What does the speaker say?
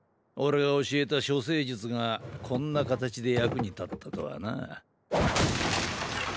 俺が教えた処世術がこんな形で役に立ったとはな。